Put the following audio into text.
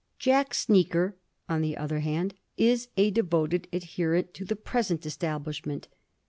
* Jack Sneaker/ on the other hand, is a devoted adherent to the present establishment.